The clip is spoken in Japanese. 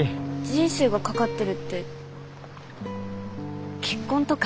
人生がかかってるって結婚とか？